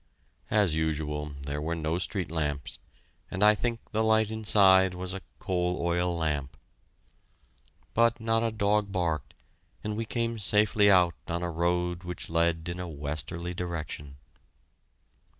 As usual, there were no street lamps, and I think the light inside was a coal oil lamp! But not a dog barked, and we came safely out on a road which led in a westerly direction.